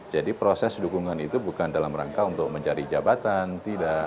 jadi proses dukungan itu bukan dalam rangka untuk mencari jabatan tidak